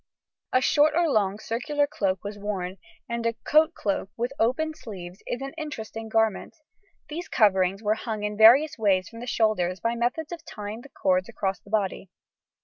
A short or long circular cloak was worn, and a coat cloak with opened sleeves is an interesting garment. These coverings were hung in various ways from the shoulders by methods of tying the cords across the body.